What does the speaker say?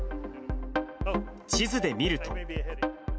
地図で見ると。